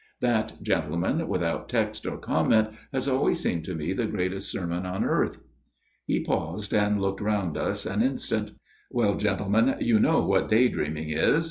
That, gentlemen, without text or comment has always seemed to me the greatest sermon on earth." He paused, and looked round at us an instant. " Well, gentlemen, you know what day dream ing is.